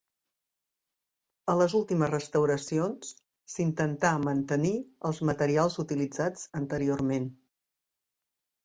A les últimes restauracions, s'intentà mantenir els materials utilitzats anteriorment.